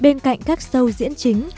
bên cạnh các show diễn chính